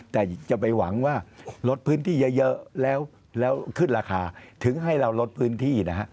แต่จะไปหวังว่าลดพื้นที่เยอะแล้วขึ้นราคาถึงให้เราลดพื้นที่นะฮะ